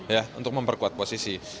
ya untuk memperkuat posisi